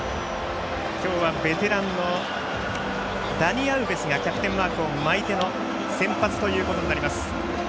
今日はベテランのダニ・アウベスがキャプテンマークを巻いての先発となります。